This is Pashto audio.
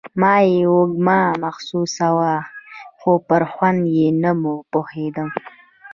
ما يې وږم محسوساوه خو پر خوند يې نه پوهېدم.